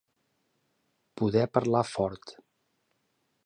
Poder parlar fort.